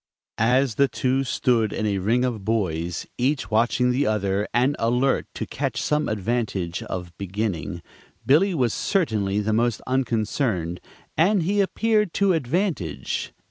As the two stood in a ring of boys, each watching the other and alert to catch some advantage of beginning, Billy was certainly the most unconcerned, and he appeared to advantage.